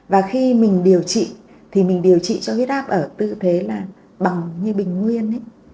và khi mình điều trị thì mình điều trị cho huyết áp ở tự thế là bằng như bình nguyên